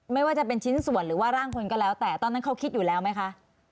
ไม่ว่าจะเป็นชิ้นส่วนหรือว่าร่างคนก็แล้วแต่ตอนนั้นเขาคิดอยู่แล้วไหมคะ